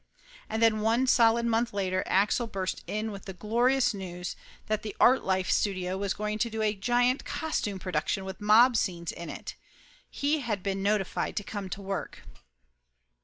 And then one solid month later Axel burst in with the glorious news that the Artlife studio was going to do a giant costume production with mob scenes in it. He had been notified to come to work.